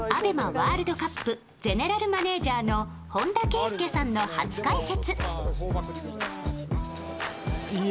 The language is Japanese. ワールドカップゼネラルマネジャーの本田圭佑さんの初解説。